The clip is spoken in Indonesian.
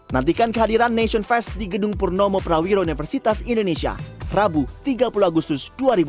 nantikan kehadiran nation fest di gedung purnomo prawiro universitas indonesia rabu tiga puluh agustus dua ribu dua puluh